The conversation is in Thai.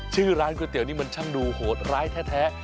ชื่อร้านก๋วยเตี๋ยนี่มันช่างดูโหดร้ายแท้